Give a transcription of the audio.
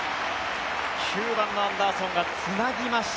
９番のアンダーソンがつなぎました。